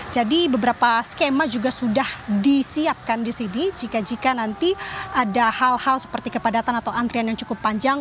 jadi beberapa skema juga sudah disiapkan di sini jika jika nanti ada hal hal seperti kepadatan atau antrean yang cukup panjang